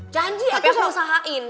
janji aku usahain